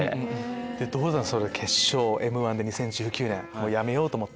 ところが決勝『Ｍ−１』で２０１９年もうやめようと思ってて。